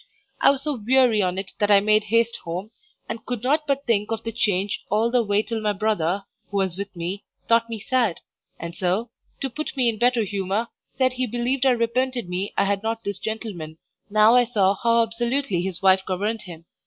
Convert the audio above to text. I was so weary on't that I made haste home, and could not but think of the change all the way till my brother (who was with me) thought me sad, and so, to put me in better humour, said he believed I repented me I had not this gentleman, now I saw how absolutely his wife governed him.